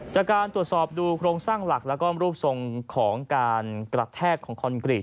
จากการตรวจสอบดูโครงสร้างหลักแล้วก็รูปทรงของการกระแทกของคอนกรีต